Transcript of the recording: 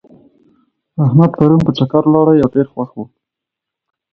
احمد پرون په چکر ولاړی او ډېر خوښ و.